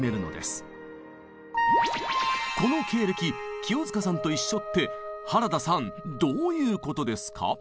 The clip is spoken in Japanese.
この経歴清塚さんと一緒って原田さんどういうことですか？